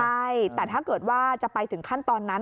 ใช่แต่ถ้าเกิดว่าจะไปถึงขั้นตอนนั้น